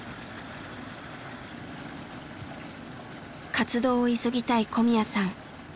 活動を急ぎたい小宮さん。